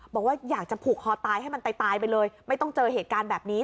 บอกว่าอยากจะผูกคอตายให้มันตายไปเลยไม่ต้องเจอเหตุการณ์แบบนี้